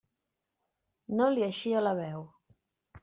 No li eixia la veu.